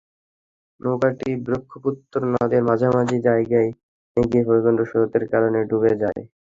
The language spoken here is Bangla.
নৌকাটি ব্রহ্মপুত্র নদের মাঝামাঝি জায়গায় গিয়ে প্রচণ্ড স্রোতের কারণে ডুবে যায়।